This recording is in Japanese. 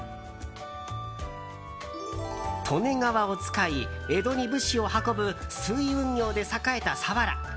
利根川を使い、江戸に物資を運ぶ水運業で栄えた佐原。